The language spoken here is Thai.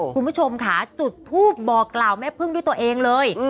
คุณผู้ชมค่ะจุดทูปบอกกล่าวแม่พึ่งด้วยตัวเองเลย